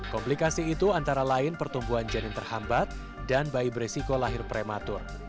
komplikasi itu antara lain pertumbuhan janin terhambat dan bayi beresiko lahir prematur